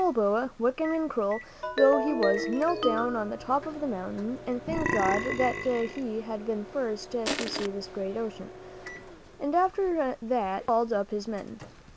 Then Balboa, wicked and cruel though he was, knelt down on the top of the mountain and thanked God that he had been the first to see this great ocean. After that he called up his men.